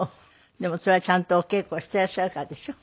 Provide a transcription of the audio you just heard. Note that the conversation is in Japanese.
でもそれはちゃんとお稽古していらっしゃるからでしょ。